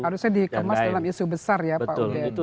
harusnya dikemas dalam isu besar ya pak uden